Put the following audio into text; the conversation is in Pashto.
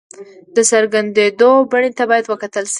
د څرګندېدو بڼې ته باید وکتل شي.